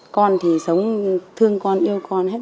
con thì sống thương con yêu con hết